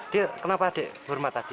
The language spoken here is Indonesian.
dia kenapa adik hormat tadi